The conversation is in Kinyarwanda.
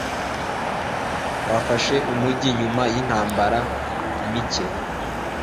Twafashe umujyi nyuma y'intambara mike.